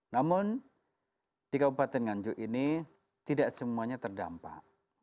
namun di kabupaten nganjuk ini tidak semuanya terdampak